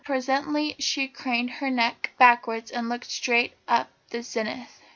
Presently she craned her neck backwards and looked straight up to the zenith.